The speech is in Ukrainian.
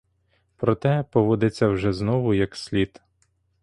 Проте, поводиться вже знову як слід.